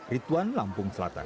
rituan lampung selatan